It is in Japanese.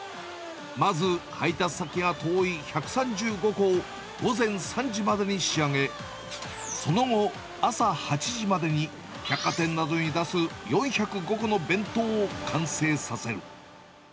まず配達先が遠い１３５個を午前３時までに仕上げ、その後、朝８時までに百貨店などに出す４０５個の弁当を完成させる。